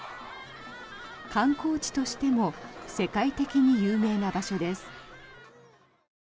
観光地としても世界的に有名な場所です。